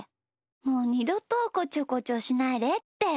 もうにどとこちょこちょしないでって。